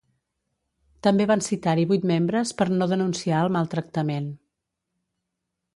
També van citar-hi vuit membres per no denunciar el maltractament.